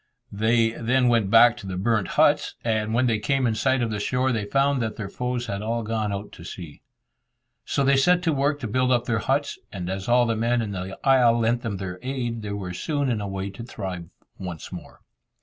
They then went back to the burnt huts, and when they came in sight of the shore, they found that their foes had all gone out to sea. So they set to work to build up their huts, and as all the men in the isle lent them their aid, they were soon in a way to thrive once more.